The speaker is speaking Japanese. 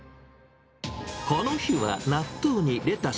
この日は納豆にレタス、